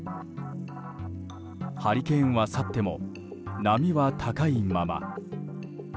ハリケーンは去っても波は高いまま。